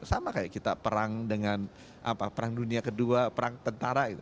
sama kayak kita perang dengan perang dunia ke dua perang tentara